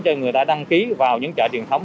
cho người ta đăng ký vào những chợ truyền thống